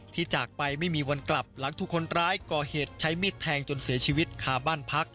จากไปไม่มีวันกลับหลังถูกคนร้ายก่อเหตุใช้มีดแทงจนเสียชีวิตคาบ้านพัก